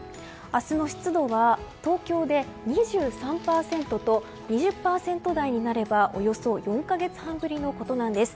明日の湿度は東京で２３％と２０％台になればおよそ４か月半ぶりのことです。